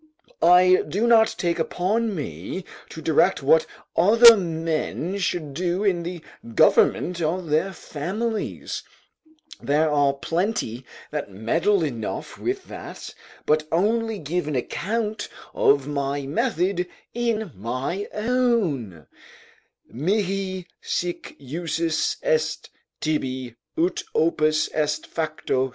I do not take upon me to direct what other men should do in the government of their families, there are plenty that meddle enough with that, but only give an account of my method in my own: "Mihi sic usus est: tibi, ut opus est facto, face."